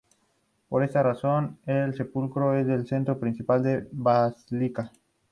Por esta razón el sepulcro es el centro principal de la basílica.